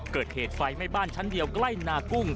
เกิดเหตุไฟไหม้บ้านชั้นเดียวใกล้นากุ้ง